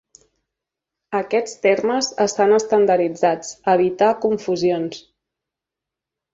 Aquests termes estan estandarditzats evitar confusions.